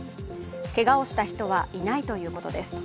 けがをした人はいないということです。